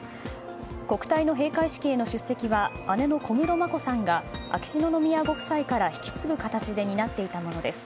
国体の閉会式への出席は姉の小室眞子さんが秋篠宮ご夫妻から引き継ぐ形で担っていたものです。